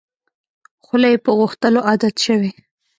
خوله یې په غوښتلو عادت شوې.